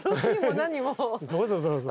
どうぞどうぞ。